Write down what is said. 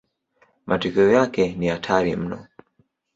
Matokeo yake ni hatari mno.